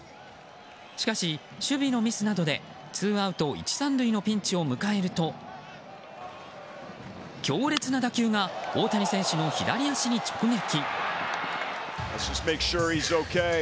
しかし、守備のミスなどでツーアウト１、３塁のピンチを迎えると強烈な打球が大谷選手の左足に直撃。